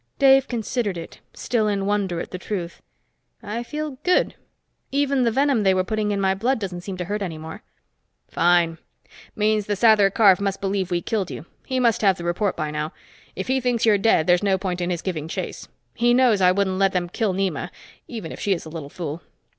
Dave considered it, still in wonder at the truth. "I feel good. Even the venom they were putting in my blood doesn't seem to hurt any more." "Fine. Means the Sather Karf must believe we killed you he must have the report by now. If he thinks you're dead, there's no point in his giving chase; he knows I wouldn't let them kill Nema, even if she is a little fool.